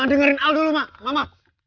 ma dengerin al dulu ma ma ma